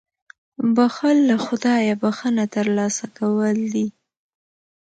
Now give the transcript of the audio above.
• بښل له خدایه بښنه ترلاسه کول دي.